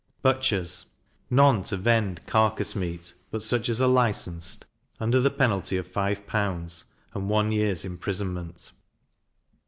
Butchers. None to vend carcase meat but such as are licensed, under the penalty of five pounds, and one year's imprisonment.